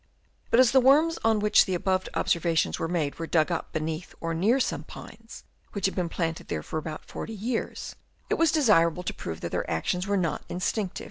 But as the worms on which the above obser vations were made, were dug up beneath or near some pines, which had been planted there about forty years, it was desirable to prove that their actions were not instinctive.